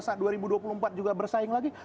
saat dua ribu dua puluh empat juga bersaing lagi